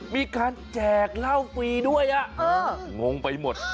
มีการแจกเหล้าฟรีด้วยงงไปหมด